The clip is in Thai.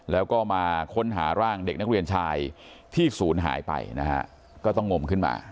แล้วก็มาค้นหาร่างเด็กนักเรียนชายที่ศูนย์หายไปนะฮะก็ต้องงมขึ้นมา